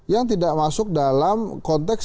yang tidak masuk dalam konteks